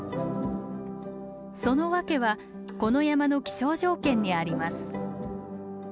そのワケはこの山の気象条件にあります。